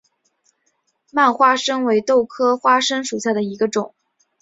蔓花生为豆科花生属下的一个种。